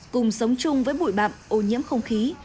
cùng sống chung với bụi bạm ô nhiễm không khí